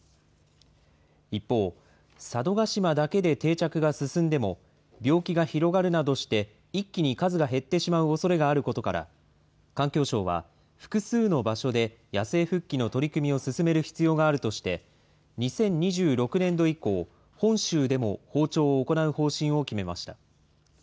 一方、佐渡島だけで定着が進んでも、病気が広がるなどして、一気に数が減ってしまうおそれがあることから、環境省は、複数の場所で野生復帰の取り組みを進める必要があるとして、２０２６年度以降、本州でも放鳥を行う方針を決めました。